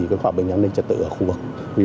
các hòa bình an ninh trật tự ở khu vực